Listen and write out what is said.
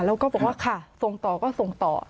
แล้วก็บอกว่าค่ะส่งต่อก็ส่งต่อ